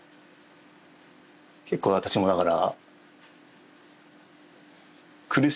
結構私もだから。